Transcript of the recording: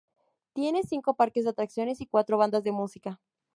Tiene cinco parques de atracciones y cuatro bandas de música.